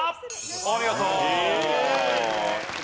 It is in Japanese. お見事！